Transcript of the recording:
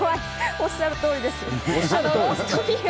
おっしゃる通りです。